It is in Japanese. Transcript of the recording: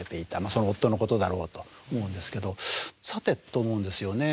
その夫のことだろうと思うんですけど「さて」と思うんですよね。